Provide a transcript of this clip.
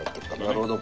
なるほど。